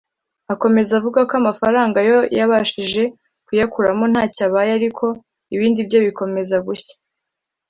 Akomeza avuga ko amafaranga yo yabashije kuyakuramo ntacyo abaye ariko ibindi byo bikomeza gushya